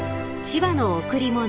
［『千葉の贈り物』］